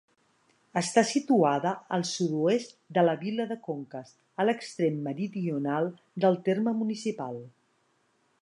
Està situada al sud-oest de la vila de Conques, a l'extrem meridional del terme municipal.